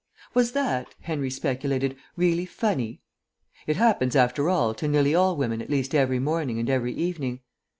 Was that, Henry speculated, really funny? It happens, after all, to nearly all women at least every morning and every evening.